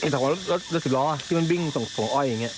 ถาวรแล้วสิล้ออ่ะที่มันวิ่งตรงตรงอ้อยอย่างเงี้ย